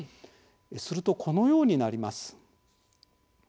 すると、このようになります。